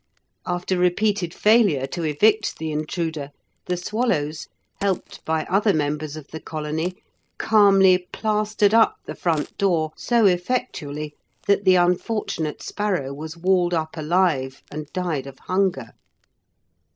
After repeated failure to evict the intruder, the swallows, helped by other members of the colony, calmly plastered up the front door so effectually that the unfortunate sparrow was walled up alive and died of hunger.